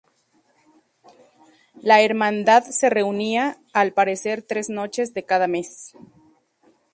La hermandad se reunía, al parecer, tres noches de cada mes.